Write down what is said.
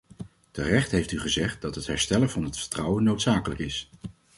Terecht heeft u gezegd dat het herstellen van het vertrouwen noodzakelijk is.